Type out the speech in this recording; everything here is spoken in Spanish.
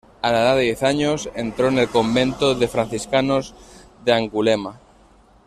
A la edad de diez años, entró en el convento de franciscanos de Angulema.